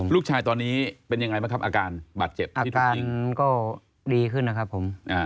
ลูกชายตอนนี้เป็นยังไงบ้างครับอาการบาดเจ็บที่ถูกยิงก็ดีขึ้นนะครับผม